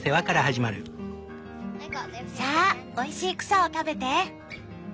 さあおいしい草を食べて。